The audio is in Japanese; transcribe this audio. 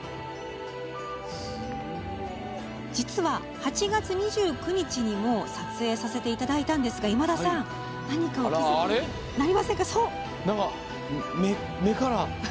実は８月２９日にも撮影させていただいたんですが今田さん何かお気付きになりませんか？